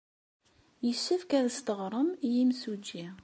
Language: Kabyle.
Yessefk ad as-d-teɣrem i yemsujji.